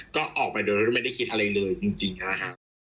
ก็ออกไปโดยไม่ได้คิดอะไรเลยจริงนะครับ